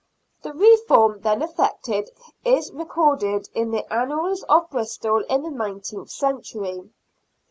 The reform then effected is recorded in the Annals of Bristol in the Nine teenth Century.